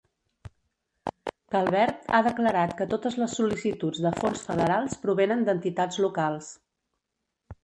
Calvert ha declarat que totes les sol·licituds de fons federals provenen d'entitats locals.